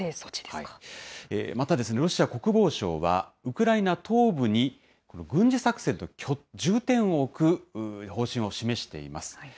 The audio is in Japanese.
また、ロシア国防省は、ウクライナ東部に軍事作戦の重点を置く方針を示しています。